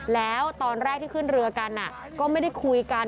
แล้วตอนแรกที่ขึ้นเรือกันก็ไม่ได้คุยกัน